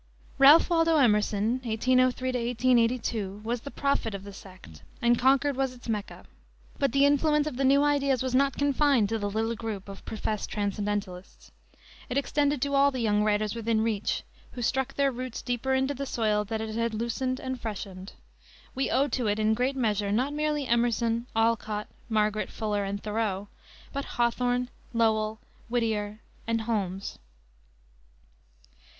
Ralph Waldo Emerson (1803 1882) was the prophet of the sect, and Concord was its Mecca; but the influence of the new ideas was not confined to the little group of professed Transcendentalists; it extended to all the young writers within reach, who struck their roots deeper into the soil that it had loosened and freshened. We owe to it, in great measure, not merely Emerson, Alcott, Margaret Fuller, and Thoreau, but Hawthorne, Lowell, Whittier, and Holmes.